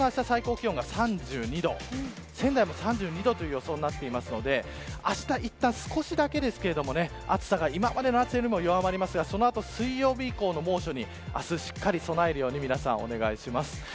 東京はあした気温が３２度仙台も３２度という予想になっているのであした、いったん少しだけですが今までの暑さよりも弱まりますがその後、水曜日以降の猛暑に明日しっかり備えるようにお願いします。